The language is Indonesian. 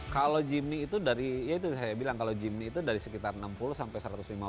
kalau jimny itu dari sekitar enam puluh sampai satu ratus lima puluh